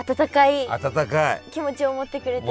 温かい気持ちを持ってくれてる？